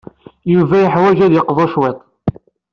Yuba yeḥwaj ad d-yeqḍu cwiṭ.